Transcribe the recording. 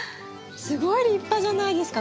すごい立派じゃないですか？